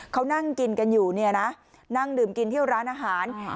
เขานั่งกินกันอยู่เนี่ยนะนั่งดื่มกินที่ร้านอาหาร